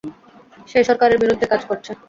সে সরকারের বিরুদ্ধে কাজ করছে।